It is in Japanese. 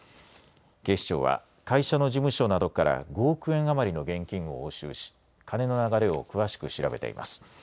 警視庁は会社の事務所などから５億円余りの現金を押収し金の流れを詳しく調べています。